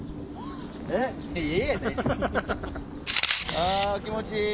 あ気持ちいい！